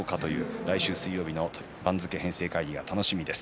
来週水曜日の番付編成会議が楽しみです。